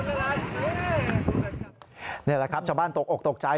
นี่แหละครับชาวบ้านตกอกตกใจ